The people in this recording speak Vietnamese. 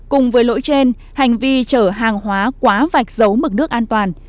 cùng với lỗi trên hành vi chở hàng hóa quá vạch giấu mực nước an toàn